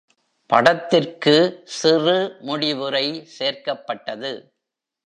படத்திற்கு சிறு முடிவுரை சேர்க்கப்பட்டது.